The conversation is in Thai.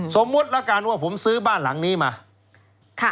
สมมุติละกันว่าผมซื้อบ้านหลังนี้มา